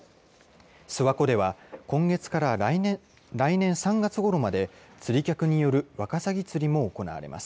諏訪湖では、今月から来年３月ごろまで釣り客によるワカサギ釣りも行われます。